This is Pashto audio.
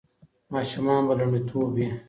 ماشومان به لومړیتوب وي.